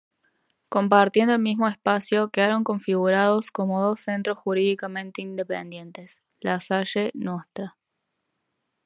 Compartiendo el mismo espacio quedaron configurados como dos centros jurídicamente independientes: La Salle Ntra.